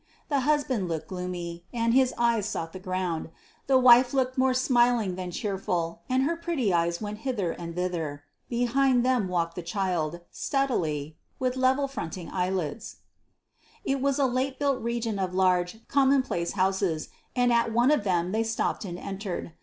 The husband looked gloomy, and his eyes sought the ground. The wife looked more smiling than cheerful, and her pretty eyes went hither and thither. Behind them walked the child steadily, "with level fronting eyelids." It was a late built region of large, common place houses, and at one of them they stopped and entered.